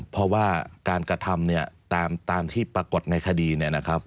เพราะว่าการกระทำเนี่ยตามที่ปรากฏในคดีเนี่ยนะครับ